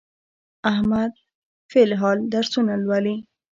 احمد فل الحال درسونه لولي.